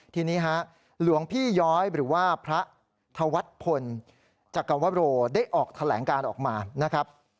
ทีนี้ฮะหลวงพี่ย้อยหรือว่าพระธวัฒน์พลจักรวโรได้ออกแถลงการออกมานะครับ